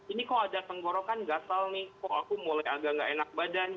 ini kok ada tenggorokan gasal nih kok aku mulai agak nggak enak badan